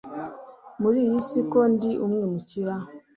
muriyisi ko ndi umwimukira